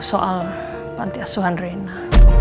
soal panti asuhan reina